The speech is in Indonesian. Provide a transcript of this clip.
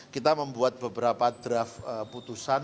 kita membuat beberapa draft putusan